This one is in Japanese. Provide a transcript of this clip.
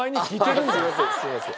あっすいません。